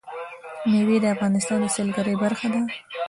مېوې د افغانستان د سیلګرۍ برخه ده.